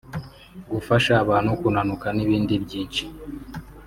gufasha abantu kunanuka n’ibindi byinshi